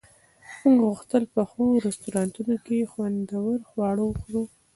موږ غوښتل په ښو رستورانتونو کې خوندور خواړه وخورو